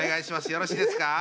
よろしいですか？